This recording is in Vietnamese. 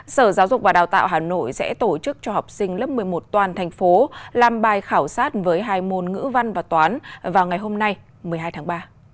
sở giáo dục và đào tạo hà nội sẽ tổ chức cho học sinh lớp một mươi một toàn thành phố làm bài khảo sát với hai môn ngữ văn và toán vào ngày hôm nay một mươi hai tháng ba